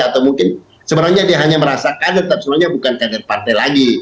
atau mungkin sebenarnya dia hanya merasakan tetap semuanya bukan kader partai lagi